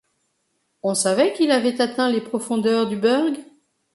On savait qu’il avait atteint les profondeurs du burg ?…